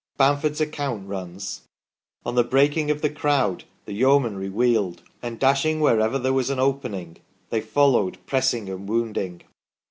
Bamford's account runs :" On the breaking of the crowd the yeomanry wheeled, and dashing wherever there was an opening, they followed, pressing and wounding.